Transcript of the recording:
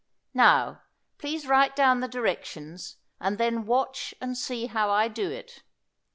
Now, please write down the directions, and then watch and see how I do it.